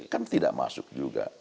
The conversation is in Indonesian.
kan tidak masuk juga